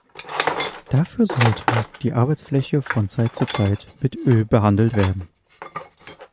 Dafür sollte die Arbeitsfläche von Zeit zu Zeit mit Öl behandelt werden.